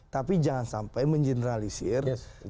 tapi jangan sampai mengeneralisir